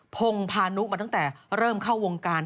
พงพานุมาตั้งแต่เริ่มเข้าวงการ